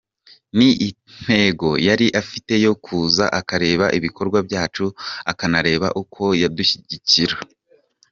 Ni intego yari afite yo kuza akareba ibikorwa byacu akanareba uko yadushyigikira.